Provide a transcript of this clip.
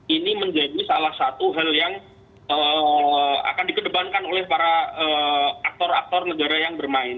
ini menjadi salah satu hal yang akan dikedepankan oleh para aktor aktor negara yang bermain